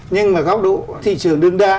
nhưng mà góc độ thị trường đương đại